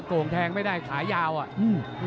ต้องเต็มข่าวเร็ว